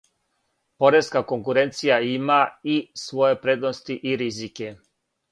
Пореска конкуренција има и своје предности и ризике.